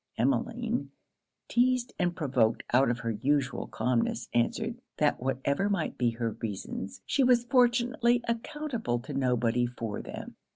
Emmeline, teized and provoked out of her usual calmness, answered 'That whatever might be her reasons, she was fortunately accountable to nobody for them.'